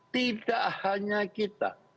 tidak hanya kita